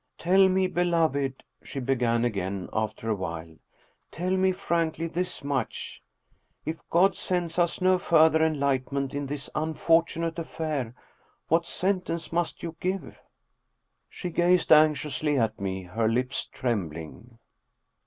" Tell me, beloved," she began again, after a while, " tell me frankly this much. If God sends us no further enlight enment in this unfortunate affair, what sentence must you give ?" She gazed anxiously at me, her lips trembling.